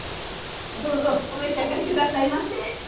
どうぞお召し上がりくださいませ。